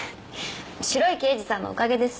白い刑事さんのおかげです。